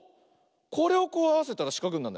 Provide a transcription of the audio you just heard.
これをこうあわせたらしかくになる。